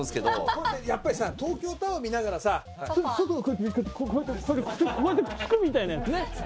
こうやってやっぱりさ東京タワー見ながらさ外をこうやってこうやってくっつくみたいなやつね。